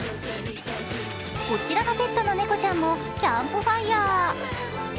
こちらのペットの猫ちゃんも、キャンプファイヤー。